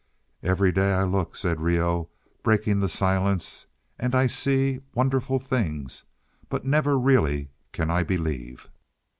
"Every day I look," said Reoh, breaking the silence. "And I see wonderful things. But never really can I believe."